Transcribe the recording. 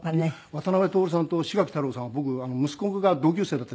渡辺徹さんと志垣太郎さんは僕息子が同級生だった。